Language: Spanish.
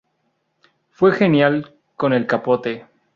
Fue genial con el capote.